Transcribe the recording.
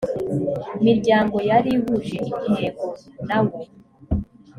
miryango yari ihuje intego nawo